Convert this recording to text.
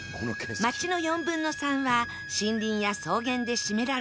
町の４分の３は森林や草原で占められており